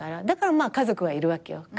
だから家族はいるわけよ。